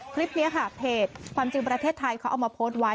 คลิปนี้ค่ะเพจความจริงประเทศไทยเขาเอามาโพสต์ไว้